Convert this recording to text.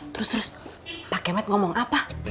terus terus pak kemet ngomong apa